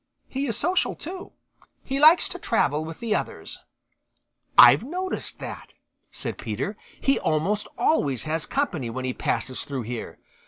He is social, too; he likes to travel with others." "I've noticed that," said Peter. "He almost always has company when he passes through here.